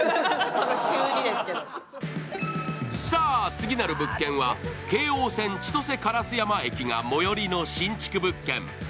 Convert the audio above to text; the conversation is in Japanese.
次なる物件は京王線千歳烏山駅が最寄りの新築物件。